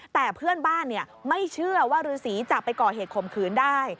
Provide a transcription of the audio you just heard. แต่เพื่อนบ้านไม่เชื่อว่าฤษีจะไปก่อเหตุข่มขืนได้